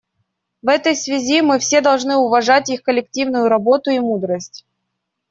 В этой связи мы все должны уважать их коллективную работу и мудрость.